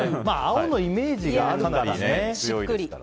青のイメージがあるからね。